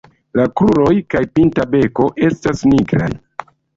La kruroj kaj pinta beko estas nigraj.